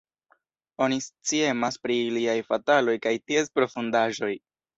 Oni sciemas pri iliaj fataloj kaj ties profundaĵoj.